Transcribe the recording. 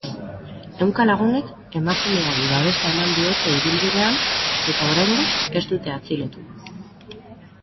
Ehunka lagunek emakumeari babesa eman diote ibilbidean eta oraingoz ez dute atxilotu.